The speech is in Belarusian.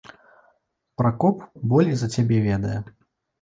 Пракоп болей за цябе ведае.